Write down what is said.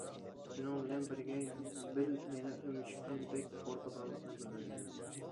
شۇنىڭ بىلەن بىرگە بېل يەنە ئۆمۈچۈكتىن بەك قورقىدىغانلىقىنى بىلدۈرگەن.